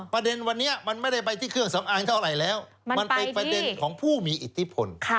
ประเด็นวันนี้มันไม่ได้ไปที่เครื่องสำอางเท่าไหร่แล้วมันเป็นประเด็นของผู้มีอิทธิพล